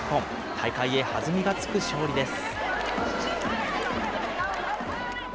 大会へ弾みがつく勝利です。